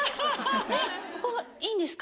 えっここいいんですか？